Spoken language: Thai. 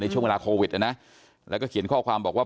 ช่วงเวลาโควิดนะนะแล้วก็เขียนข้อความบอกว่า